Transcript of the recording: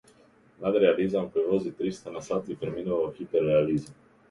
Надреализам кој вози триста на сат и преминува во хипер-реализам!